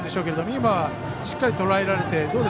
今のはしっかりとらえられて。